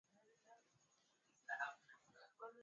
ti wake alipokuwa anahamishwa kutoka angola kurudi nchini congo